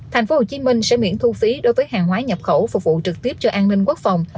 tp hcm sẽ miễn thu phí đối với hàng hóa nhập khẩu phục vụ trực tiếp cho an ninh quốc phòng